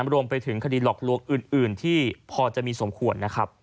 รวมไปถึงคดีหลอกลวงอื่นที่พอจะมีสมควรนะครับ